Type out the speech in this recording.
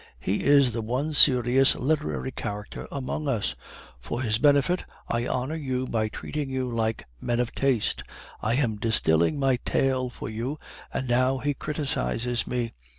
He is the one serious literary character among us; for his benefit, I honor you by treating you like men of taste, I am distilling my tale for you, and now he criticises me!